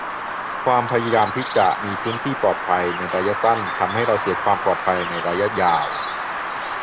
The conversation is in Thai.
ความพยายามจะมีพื้นที่ "ปลอดภัย" ในระยะสั้น ทำให้เราเสียความปลอดภัยในระยะยาว